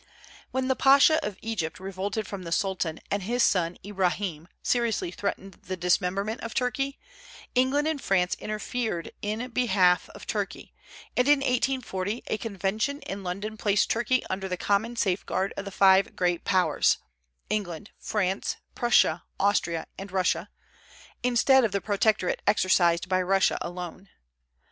When the Pasha of Egypt revolted from the Sultan, and his son Ibrahim seriously threatened the dismemberment of Turkey, England and France interfered in behalf of Turkey; and in 1840 a convention in London placed Turkey under the common safeguard of the five great Powers, England, France, Prussia, Austria, and Russia, instead of the protectorate exercised by Russia alone.